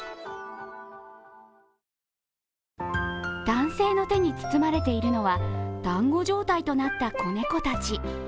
男性の手に包まれているのはだんご状態となった子猫たち。